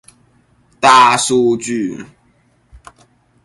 大數據